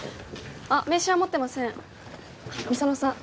あっ名刺は持ってません御園さん